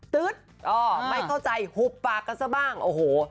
ตื๊ดไม่เข้าใจหุบปากกันซะบ้างโอ้โห